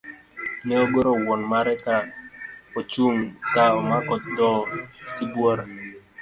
Ne ogoro wuon mare ka ochung' ka omako dhoo sibuor.